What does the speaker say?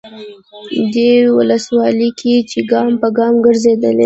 دې ولسوالۍ کې چې ګام به ګام ګرځېدلی،